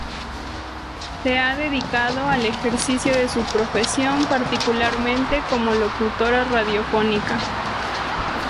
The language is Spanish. Se ha dedicado al ejercicio de su profesión particularmente como locutora radiofónica.